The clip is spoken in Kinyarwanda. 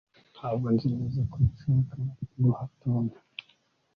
ntabwo nzi neza ko nshaka guha tom